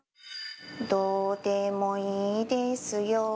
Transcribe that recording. どうでもいいですよ。